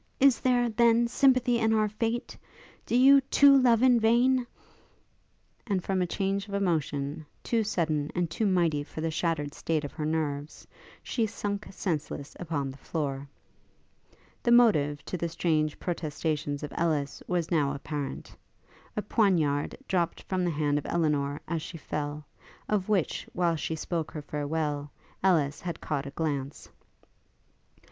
Is there, then, sympathy in our fate? Do you, too, love in vain?' And, from a change of emotion, too sudden and too mighty for the shattered state of her nerves, she sunk senseless upon the floor. The motive to the strange protestations of Ellis was now apparent: a poniard dropt from the hand of Elinor as she fell, of which, while she spoke her farewell, Ellis had caught a glance.